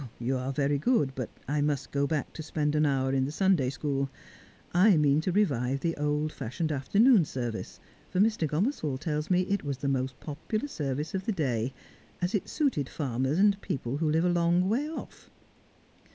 ' You are very good, but I must go back to spend an hour in the Sunday school. I mean to revive the old fashioned afternoon service, for Mr. Gomersall tells me it was the most popular service of the day, as it suited farmers and people who live a long way off.'